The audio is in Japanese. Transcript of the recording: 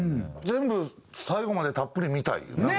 全部最後までたっぷり見たいよな。